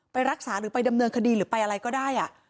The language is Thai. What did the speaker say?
ไปรักษาหรือไปดำเนินคดีหรือไปอะไรก็ได้